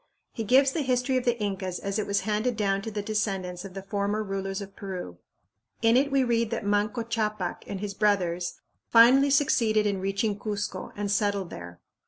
He gives the history of the Incas as it was handed down to the descendants of the former rulers of Peru. In it we read that Manco Ccapac and his brothers finally succeeded in reaching Cuzco and settled there.